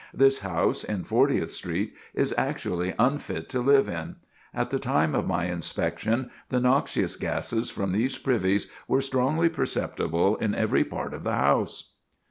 This house, in Fortieth Street, is actually unfit to live in. At the time of my inspection the noxious gases from these privies were strongly perceptible in every part of the house."